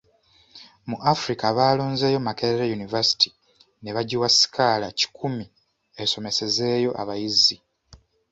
Mu Africa baalonzeeyo Makerere University ne bagiwa sikaala kikumi esomesezeeyo abayizi.